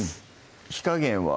火加減は？